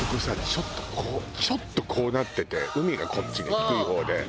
ちょっとこうちょっとこうなってて海がこっちに低い方で。